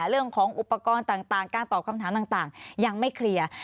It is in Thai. เรื่องของอุปกรณ์ต่างการตอบคำถามต่างยังไม่เคลียร์